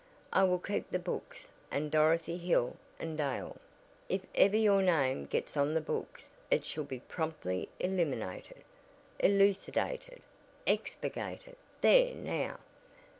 I will keep the books and Dorothy Hill and Dale, if ever your name gets on the books it shall be promptly eliminated, elucidated, expurgated there now!